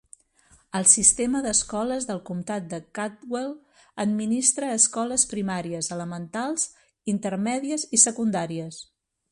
El sistema d'escoles del comtat de Caldwell administra escoles primàries, elementals, intermèdies i secundàries.